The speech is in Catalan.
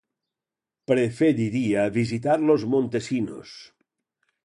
Preferiria visitar Los Montesinos.